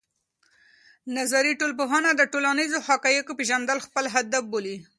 نظري ټولنپوهنه د ټولنیزو حقایقو پېژندل خپل هدف بولي.